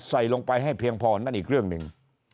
ใส่ลงไปให้เพียงพอนั่นอีกเรื่องหนึ่ง